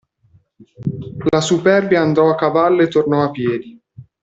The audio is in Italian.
La superbia andò a cavallo e tornò a piedi.